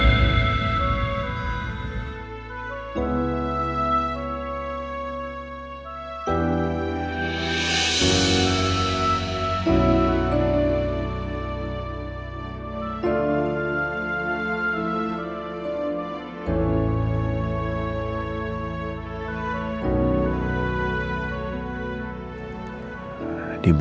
aku tetep harus bales